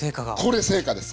これ成果です。